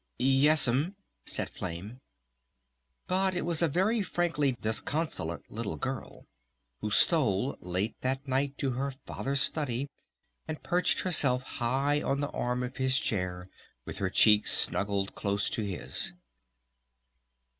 "... Yes'm," said Flame. But it was a very frankly disconsolate little girl who stole late that night to her Father's study, and perched herself high on the arm of his chair with her cheek snuggled close to his.